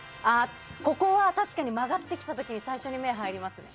ここは確かに曲がってきた時に最初に目に入りますね。